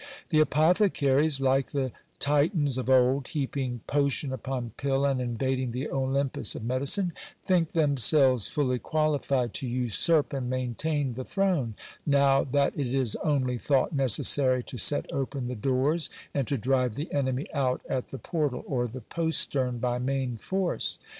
The apothecaries, like the Titans c f old, heaping potion upon pill, and invading the Olympus of medicine, think taemselves fiilly qualified to usurp and maintain the throne, now that it is only t nought necessary to set open the doors, and to drive the enemy out at the portal cr the postern by main force.